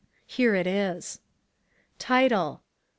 Here it is: Title